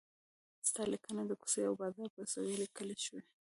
ستا لیکنه د کوڅې او بازار په سویې لیکل شوې.